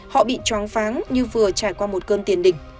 họ bị choáng pháng như vừa trải qua một cơn tiền đỉnh